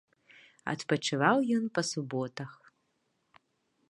Адпачываў ён па суботах.